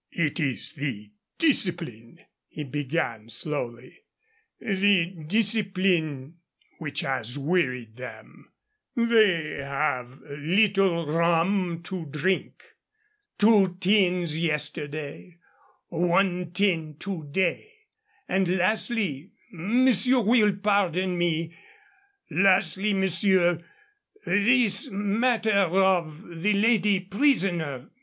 "It is the discipline," he began, slowly "the discipline which has wearied them; they have little rum to drink: two tins yesterday, one tin to day, and, lastly monsieur will pardon me lastly, monsieur, this matter of the lady prisoner.